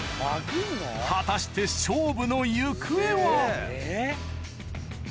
果たして勝負の行方は？